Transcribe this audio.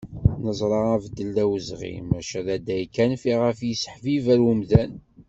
Neẓra abeddel d awezɣi, maca d adday kan fiɣef ad yesseḥibiber umdan.